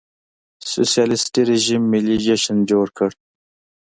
سوسیالېستي رژیم ملي جشن جوړ کړ.